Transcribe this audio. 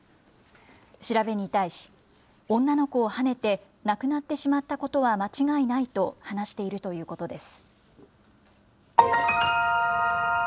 調べに対し、女の子をはねて亡くなってしまったことは間違いないと話しているということです。